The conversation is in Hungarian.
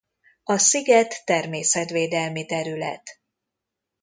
A sziget természetvédelmi terület.